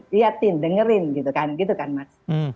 lihat dengerin gitu kan mas